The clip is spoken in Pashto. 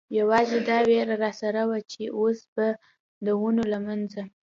یوازې دا وېره را سره وه، چې اوس به د ونو له منځه.